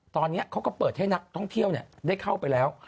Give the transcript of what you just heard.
ตอนนี้เขาก็เปิดให้นักท่องเที่ยวได้เข้าไปแล้ว